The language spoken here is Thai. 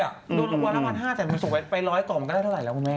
โดนมากว่า๑๕๐๐บาทแต่ส่งไป๑๐๐บาทก่อนก็ได้เท่าไหร่มึงแม่